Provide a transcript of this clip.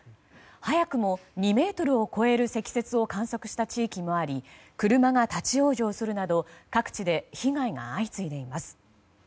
早くも２ｍを超える積雪を観測した地域もあり車が立ち往生するなど各地で被害が相次いでいます。